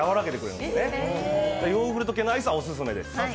なのでヨーグルト系のアイスはオススメです。